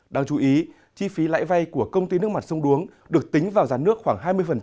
đáng chú ý chi phí lãi vay của công ty nước mặt sông đuống được tính vào giá nước khoảng hai mươi